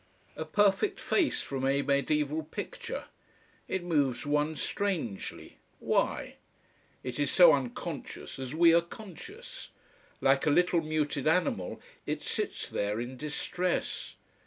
A perfect face from a mediaeval picture. It moves one strangely. Why? It is so unconscious, as we are conscious. Like a little muted animal it sits there, in distress.